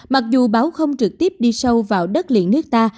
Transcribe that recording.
mặc dù báo không trực tiếp đi sâu vào đất liền nước ta